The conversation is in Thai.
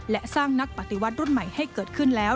และสร้างนักปฏิวัติรุ่นใหม่ให้เกิดขึ้นแล้ว